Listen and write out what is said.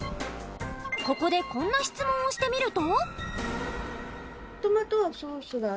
ここでこんな質問をしてみると？